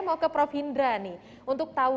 mau ke prof hindra nih untuk tahu